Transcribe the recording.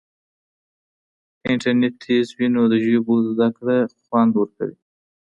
که انټرنیټ تېز وي نو د ژبو زده کړه خوند ورکوي.